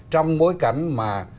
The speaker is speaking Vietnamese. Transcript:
trong bối cảnh mà